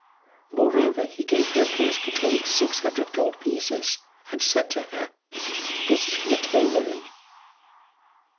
Moreover, he gave her a purse containing six hundred gold pieces and said to her, "This is for the tailoring."